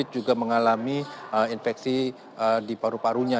juga mengalami infeksi di paru parunya